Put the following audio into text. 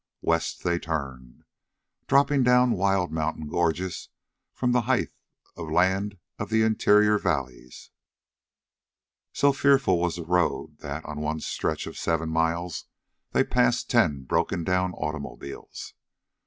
West they turned, dropping down wild mountain gorges from the height of land of the interior valleys. So fearful was the road, that, on one stretch of seven miles, they passed ten broken down automobiles.